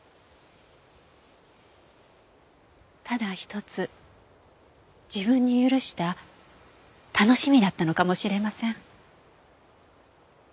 ただ一つ自分に許した楽しみだったのかもしれません。